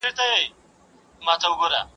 ذهني غبرګونونه د تکامل برخه ده.